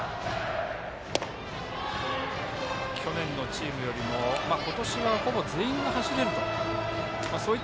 去年のチームよりも今年はほぼ全員が走れるという。